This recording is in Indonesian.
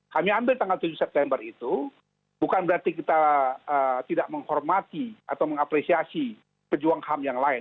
kami ambil tanggal tujuh september itu bukan berarti kita tidak menghormati atau mengapresiasi pejuang ham yang lain